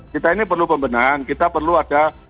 kita ini perlu pembenahan kita perlu ada